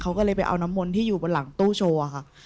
เขาก็เลยไปเอาน้ำมนต์ที่อยู่บนหลังตู้โชว์ค่ะ